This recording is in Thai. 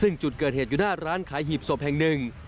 ซึ่งจุดเกิดเหตุอยู่หน้าร้านขายหีบศพแห่งหนึ่ง